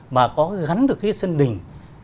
mà có gắn được cái sân đình